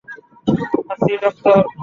আসি, ডক্টর।